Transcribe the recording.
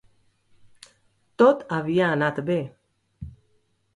Tot havia anat bé.